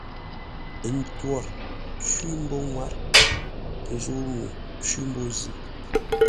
Ə ntwor cwí mbô ŋwár zə̂u ŋuu cwí mbô zʉ́.